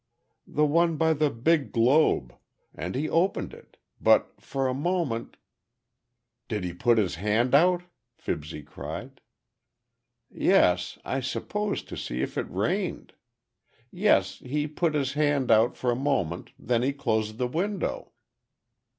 "The one by the big globe, and he opened it. But for a moment—" "Did he put his hand out?" Fibsy cried. "Yes, I suppose to see if it rained. Yes, he put his hand out for a moment, then he closed the window."